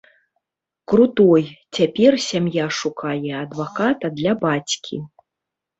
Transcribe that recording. Крутой, цяпер сям'я шукае адваката для бацькі.